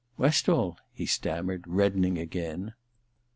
* Westall ?' he stammered, reddening again.